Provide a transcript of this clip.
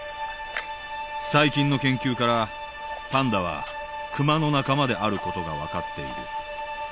最近の研究からパンダはクマの仲間である事が分かっている。